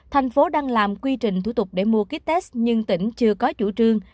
thành phố đang làm quy trình thủ tục để mua kýt test nhưng tỉnh chưa có chủ trương